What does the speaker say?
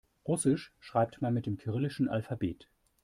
Russisch schreibt man mit dem kyrillischen Alphabet.